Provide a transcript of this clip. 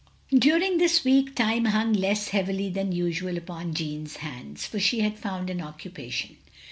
During this week, time hung less heavily than usual upon Jeanne's hands; for she had fotmd an occupation.